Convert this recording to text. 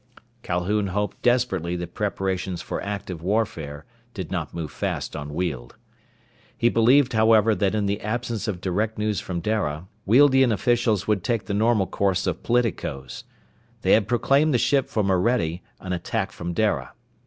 Calhoun hoped desperately that preparations for active warfare did not move fast on Weald. He believed, however, that in the absence of direct news from Dara, Wealdian officials would take the normal course of politicos. They had proclaimed the ship from Orede an attack from Dara.